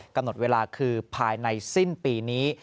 กำหนดเวลาคือภายในสิ้นปีนี้